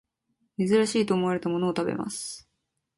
珍しいと思われたものを食べます